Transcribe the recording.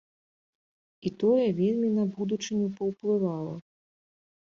І тое вельмі на будучыню паўплывала.